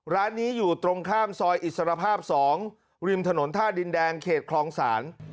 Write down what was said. ร้านนี้อยู่ตรงข้ามซอยอิสรภาพ๒ริมถนนท่าดินแดงเขตคลองศาล